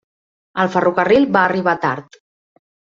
El ferrocarril va arribar tard.